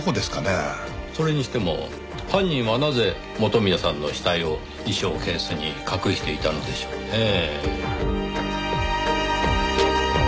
それにしても犯人はなぜ元宮さんの死体を衣装ケースに隠していたのでしょうねぇ。